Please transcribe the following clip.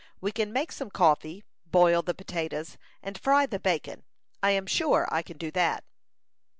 We can make some coffee, boil the potatoes, and fry the bacon. I am sure I can do that."